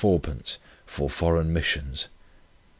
for Foreign Missions.